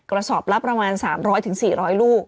กระสอบละประมาณ๓๐๐๔๐๐ลูก